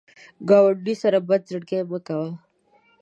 ګاونډي سره بد زړګي مه کوه